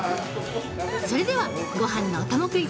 それでは、ごはんのお供クイズ。